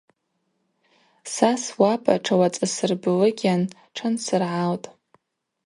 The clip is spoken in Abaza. Са суапӏа тшауацӏасырблыгьан тшансыргӏалтӏ.